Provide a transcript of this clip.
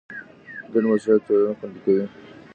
ګډ مسئولیت ټولنه خوندي کوي.